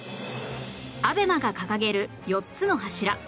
ＡＢＥＭＡ が掲げる４つの柱